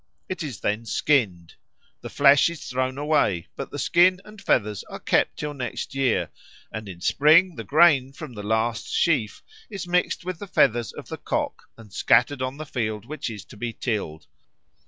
It is then skinned. The flesh is thrown away, but the skin and feathers are kept till next year; and in spring the grain from the last sheaf is mixed with the feathers of the cock and scattered on the field which is to be tilled.